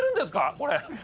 これ。